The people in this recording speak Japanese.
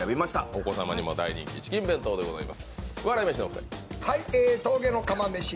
お子様にも大人気、チキン弁当でございます。